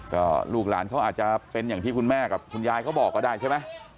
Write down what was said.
ก็ลูกหลานเขาอาจจะเป็นอย่างที่คุณแม่กับคุณยายเขาบอกก็ได้ใช่ไหม